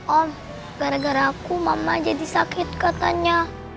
oh gara gara aku mama jadi sakit katanya